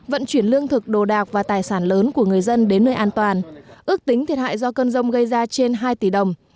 vận chuyển lương thực đồ đạc và tài sản lớn của người dân đến nơi an toàn ước tính thiệt hại do cơn rông gây ra trên hai tỷ đồng